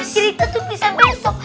cerita tuh bisa besok